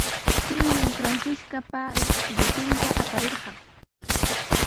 Tiyaa Francisca qipinta apariykan.